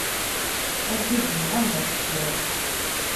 Argaz yuɣal d aceṭṭiḍ.